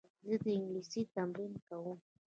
زه د انګلیسي تمرین کوم.